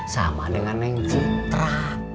sama dengan neng citra